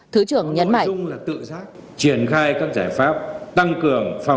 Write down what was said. thứ trưởng nhấn mạnh